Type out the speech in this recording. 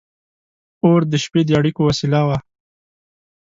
• اور د شپې د اړیکو وسیله وه.